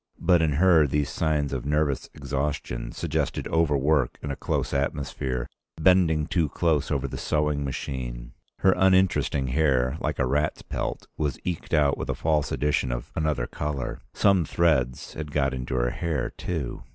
But in her these signs of nervous exhaustion suggested overwork in a close atmosphere, bending too close over the sewing machine. Her uninteresting hair, like a rat's pelt, was eked out with a false addition of another color. Some threads had got into her hair too.